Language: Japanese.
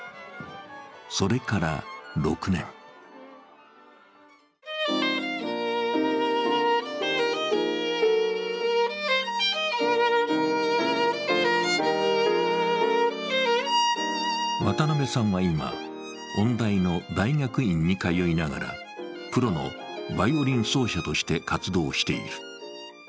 それから６年渡邉さんは今、音大の大学院に通いながら、プロのバイオリン奏者として活動している。